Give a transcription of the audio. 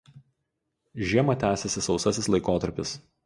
Žiemą tęsiasi sausasis laikotarpis.